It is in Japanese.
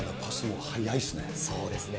そうですね。